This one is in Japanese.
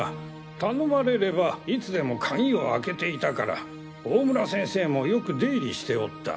頼まれればいつでも鍵を開けていたから大村先生もよく出入りしておった。